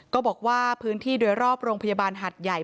บอกว่าพื้นที่โดยรอบโรงพยาบาลหัดใหญ่